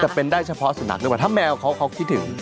เป็นได้เฉพาะสุนัขด้วยว่าถ้าแมวเขาคิดถึง